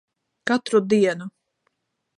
Katru dienu.